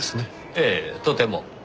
ええとても。